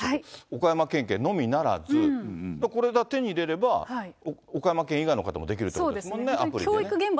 岡山県警のみならず、これだけ手に入れれば、岡山県以外の方もできるということですもんね、アプリでもね。